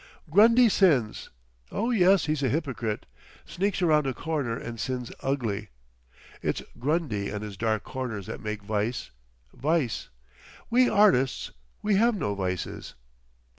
"Grundy sins. Oh, yes, he's a hypocrite. Sneaks round a corner and sins ugly. It's Grundy and his dark corners that make vice, vice! We artists—we have no vices.